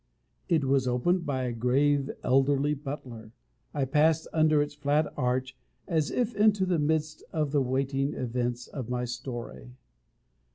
It was opened by a grave, elderly butler. I passed under its flat arch, as if into the midst of the waiting events of my story.